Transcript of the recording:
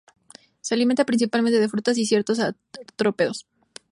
Se alimenta principalmente de frutas y ciertos artrópodos.